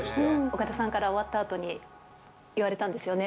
岡田さんから終わったあとに言われたんですよね。